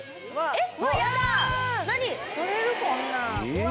えっ？